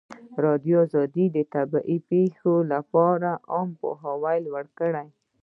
ازادي راډیو د طبیعي پېښې لپاره عامه پوهاوي لوړ کړی.